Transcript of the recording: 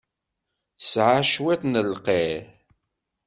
Tesɛa cwiṭ n lqir.